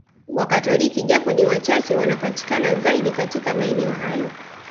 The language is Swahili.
Wakatoliki japo ni wachache wanapatikana zaidi katika maeneo hayo